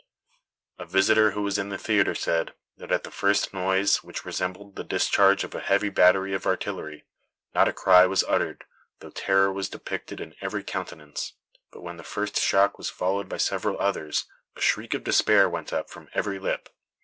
A visitor who was in the theater said, that at the first noise, which resembled the discharge of a heavy battery of artillery, "not a cry was uttered, though terror was depicted in every countenance; but when the first shock was followed by several others, a shriek of despair went up from every lip.